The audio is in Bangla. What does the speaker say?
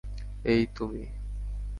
এই, তুমি!